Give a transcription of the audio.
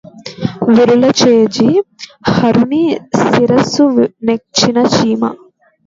విరుల జేరి హరుని శిరసు నెక్కిన చీమ